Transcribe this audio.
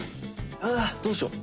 うわどうしよう？